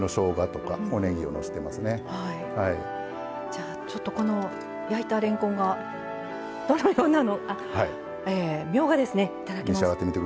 じゃあちょっとこの焼いたれんこんがどのようなのあみょうがですねいただきます。